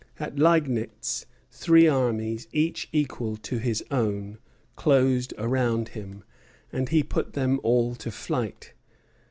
At Liegnitz three armies, each equal to his own, closed round him, and he put them all to flight.